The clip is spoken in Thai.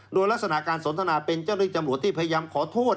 โดยลักษณะการสนทนาเป็นเจ้าหน้าที่ตำรวจที่พยายามขอโทษ